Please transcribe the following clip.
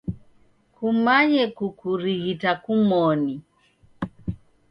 Kumanye kukurighita kumoni.